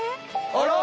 あら？